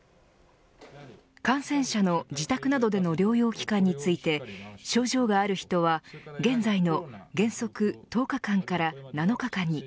感染者の自宅などでの休養期間について症状がある人は現在の原則１０日間から７日間に。